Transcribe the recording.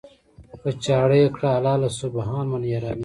"په چاړه یې کړه حلاله سبحان من یرانی".